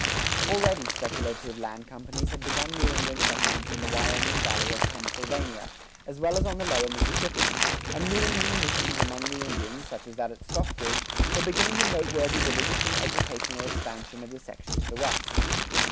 Already speculative land companies had begun New England settlements in the Wyoming Valley of Pennsylvania, as well as on the lower Mississippi; and New England missions among the Indians, such as that at Stockbridge, were beginning the noteworthy religious and educational expansion of the section to the west.